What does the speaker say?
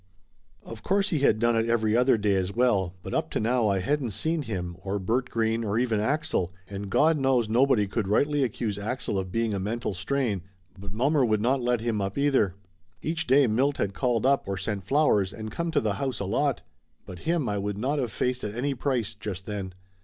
Of course he had done it every other day as well, but up to now I hadn't seen him or Bert Green or even Axel, and Gawd knows nobody could rightly accuse Axel of being a mental strain, but mommer would let him up, either. Each day Milt had called up or sent flowers and come to the house a lot. But him I would not of faced at any price, just then.